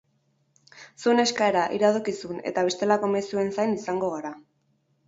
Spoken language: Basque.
Zuen eskaera, iradokizun eta bestelako mezuen zain izango gara.